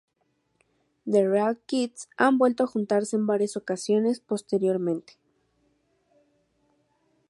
The Real Kids han vuelto a juntarse en varias ocasiones posteriormente.